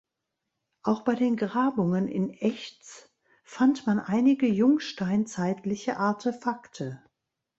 Auch bei den Grabungen in Echtz fand man einige jungsteinzeitliche Artefakte.